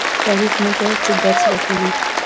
تاریخ موږ ته څه درس راکوي؟